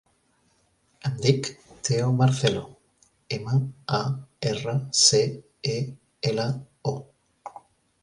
Em dic Teo Marcelo: ema, a, erra, ce, e, ela, o.